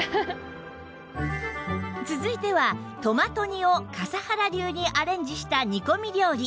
続いてはトマト煮を笠原流にアレンジした煮込み料理